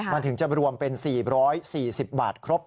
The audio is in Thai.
มันถึงจะรวมเป็น๔๔๐บาทครบ